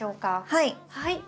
はい。